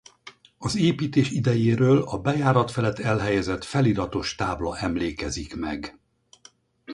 Az építés idejéről a bejárat felett elhelyezett feliratos tábla emlékezik meg.